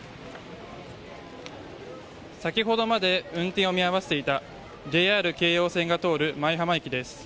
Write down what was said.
先ほどまで運転を見合わせていたＪＲ京葉線が通る舞浜駅です。